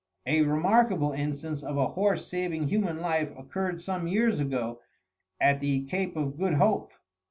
A remarkable instance of a horse saving human life occurred some years ago at the Cape of Good Hope.